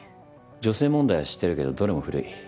女性問題は知ってるけどどれも古い。